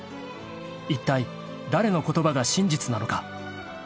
［いったい誰の言葉が真実なのか？］